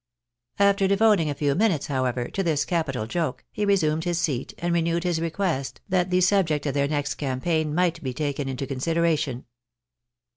After devoting a few minutes, however, to this capital joke, he resumed his seat, and renewed his request that the subject of their next campaign might be taken into consideration.